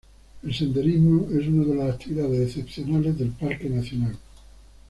El senderismo es una de las actividades excepcionales del parque nacional.